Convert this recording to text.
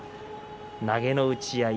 投げの打ち合い